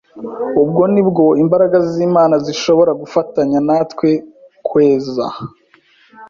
ubwo ni bwo imbaraga z’Imana zishobora gufatanya natwe kweza